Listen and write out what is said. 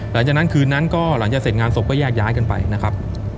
หลังจากนั้นคืนนั้นก็หลังจากเสร็จงานศพก็แยกย้ายกันไปนะครับ